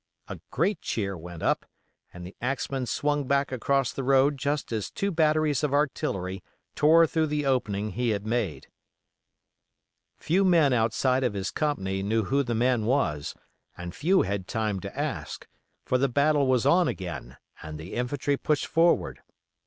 A great cheer went up and the axeman swung back across the road just as two batteries of artillery tore through the opening he had made. Few men outside of his company knew who the man was, and few had time to ask; for the battle was on again and the infantry pushed forward.